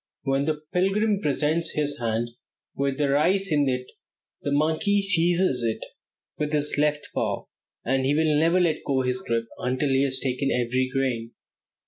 When the pilgrim presents his hand with the rice in it, the monkey seizes it with his left paw, and he will never let go his grip until he has taken every grain.